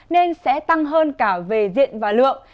nên sẽ tăng hơn cả về diện và lượng